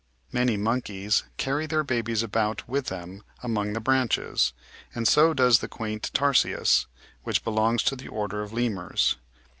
Many monkeys carry their babies about with them among the branches, and so does the quaint Tarsius, which belongs to the order of Lemurs.